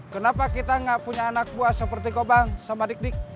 kenapa kita nggak punya anak buah seperti kobang sama dik dik